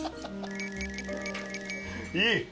いい？